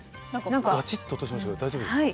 ガチッと音しましたけど大丈夫ですか？